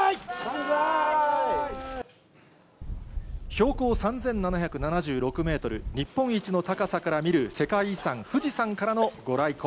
標高３７７６メートル、日本一の高さから見る世界遺産、富士山からの御来光。